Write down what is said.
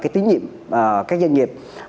tiến nhiệm các doanh nghiệp